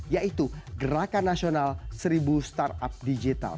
yaitu gerakan nasional seribu startup digital